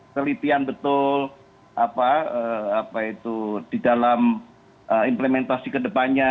kelitian betul apa itu di dalam implementasi kedepannya